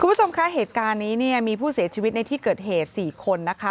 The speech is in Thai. คุณผู้ชมคะเหตุการณ์นี้เนี่ยมีผู้เสียชีวิตในที่เกิดเหตุ๔คนนะคะ